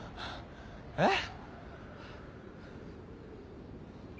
えっ？